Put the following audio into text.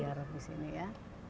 dibayar di sini ya